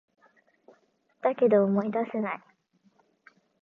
だけど、思い出せない